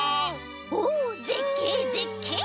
おぜっけいぜっけい！